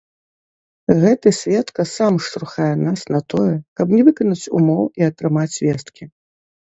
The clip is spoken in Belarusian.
Гэты сведка сам штурхае нас на тое, каб не выканаць умоў і атрымаць весткі.